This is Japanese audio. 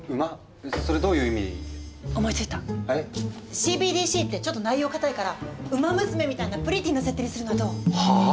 ＣＢＤＣってちょっと内容固いから「ウマ娘」みたいなプリティーな設定にするのはどう？はあ？